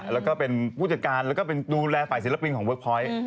แล้วก็เป็นผู้จัดการแล้วก็เป็นดูแลฝ่ายศิลปินของเวิร์คพอยต์